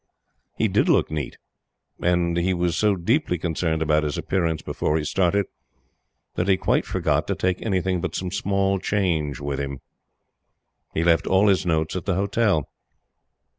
He did look neat, and he was so deeply concerned about his appearance before he started that he quite forgot to take anything but some small change with him. He left all his notes at the hotel.